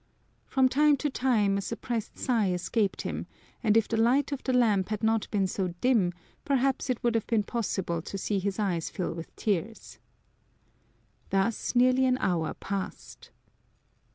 From time to time a suppressed sigh escaped him, and if the light of the lamp had not been so dim, perhaps it would have been possible to see his eyes fill with tears. Thus nearly an hour passed.